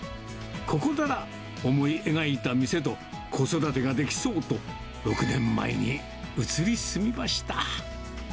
ここなら、思い描いた店と子育てができそうと、６年前に移り住みました。